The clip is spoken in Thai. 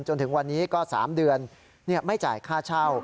จนถึงวันนี้ก็๓เดือนไม่จ่ายค่าเช่า